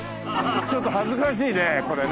ちょっと恥ずかしいねこれね。